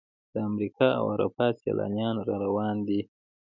د امریکا او اروپا سیلانیان را روان دي.